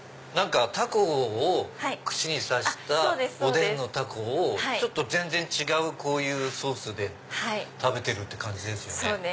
タコを串に刺したおでんのタコを全然違うこういうソースで食べてるって感じですよね。